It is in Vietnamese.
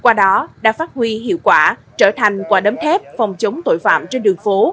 qua đó đã phát huy hiệu quả trở thành quả đấm thép phòng chống tội phạm trên đường phố